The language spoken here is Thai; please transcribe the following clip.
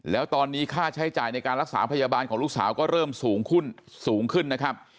แล้วตอนนี้ค่าใช้จ่ายในการรักษาพยาบาลของลูกสาวก็เริ่มสูงขึ้นสูงขึ้นนะครับ